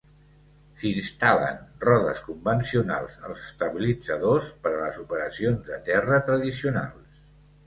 S'instal·len rodes convencionals als estabilitzadors per a les operacions de terra tradicionals.